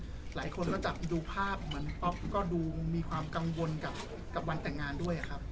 หลายคนก็จับดูภาพเหมือนป๊อปก็ดูมีความกังวลกับวันแต่งงานด้วยครับ